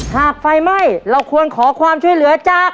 ไฟไหม้เราควรขอความช่วยเหลือจาก